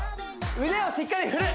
腕をしっかり振る！